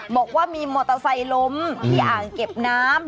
บอกว่ามีมอเตอร์ไซค์ล้มที่อ่างเก็บน้ำ